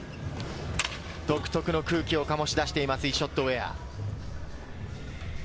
独特の空気を醸し出しています、イショッド・ウェア。